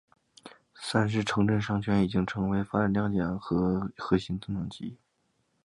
三是城镇商圈已经成为发展亮点和核心增长极。